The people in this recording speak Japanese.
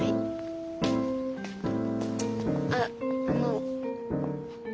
あっあの。